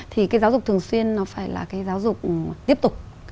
thì cái giáo dục thường xuyên nó phải là cái giáo dục tiếp tục